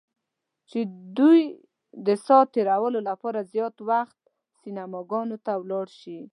چې دوی د ساعت تیریو لپاره زیات وخت سینماګانو ته ولاړ شي.